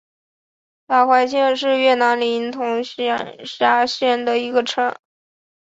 达怀县是越南林同省下辖的一个县。